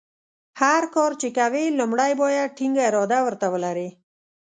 هر کار چې کوې لومړۍ باید ټینګه اراده ورته ولرې.